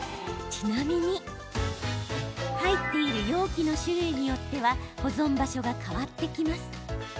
ちなみに入っている容器の種類によっては保存場所が変わってきます。